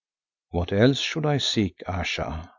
"What else should I seek, Ayesha?"